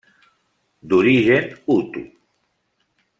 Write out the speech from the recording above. D'origen hutu.